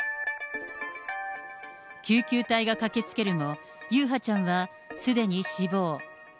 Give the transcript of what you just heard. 救急隊が駆けつけるも、優陽ちゃんはすでに死亡。